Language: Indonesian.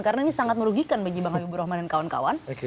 karena ini sangat merugikan bagi bang habibur rahman dan kawan kawan